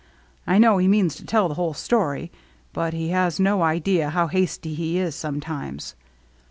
I know he means to tell the whole story, but he has no idea how hasty he is sometimes.